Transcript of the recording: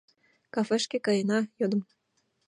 — Кафешке каена? — йодым.